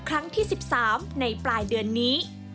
ครั้งที่๑๓ในปลายเดือนนี้